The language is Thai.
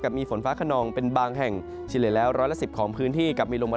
กลับมีฝนฟ้าขนองเป็นบางแห่งเสียเหลือแล้วร้อยละสิบของพื้นที่